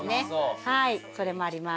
はいそれもあります。